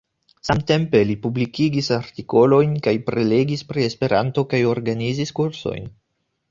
Samtempe li publikigis artikolojn kaj prelegis pri Esperanto kaj organizis kursojn.